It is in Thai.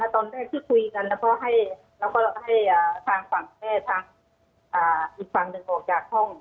ตอนแรกที่คุยกันแล้วก็ให้ทางฝั่งแม่ทางอีกฝั่งหนึ่งออกจากห้อง